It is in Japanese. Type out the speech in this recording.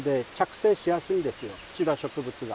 シダ植物が。